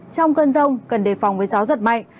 trong cơn rông cần đề phòng với gió giật mạnh